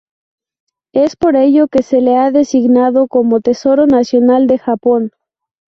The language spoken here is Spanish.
Es por ello que se le ha designado como Tesoro Nacional de Japón.